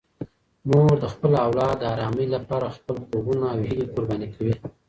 مور د خپل اولاد د ارامۍ لپاره خپل خوبونه او هیلې قرباني کوي.